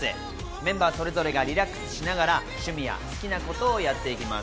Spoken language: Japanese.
メンバーそれぞれがリラックスしながら趣味や好きなことをやっていきます。